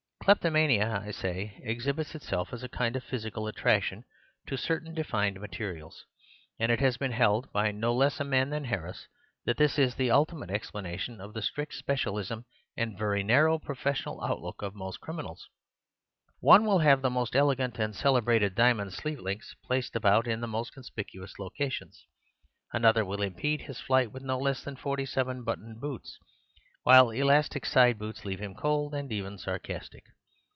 Kleptomania, I say, exhibits itself as a kind of physical attraction to certain defined materials; and it has been held (by no less a man than Harris) that this is the ultimate explanation of the strict specialism and vurry narrow professional outlook of most criminals. One will have an irresistible physical impulsion towards pearl sleeve links, while he passes over the most elegant and celebrated diamond sleeve links, placed about in the most conspicuous locations. Another will impede his flight with no less than forty seven buttoned boots, while elastic sided boots leave him cold, and even sarcastic.